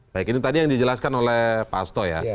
baik ini tadi yang dijelaskan oleh pak asto ya